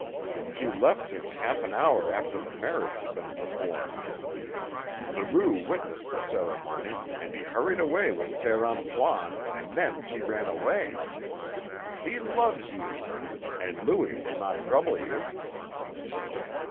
She left him half an hour after the marriage had been performed. Leroux witnessed the ceremony, and he hurried away with Père Antoine, and then she ran away. She loves you! And Louis will not trouble you!"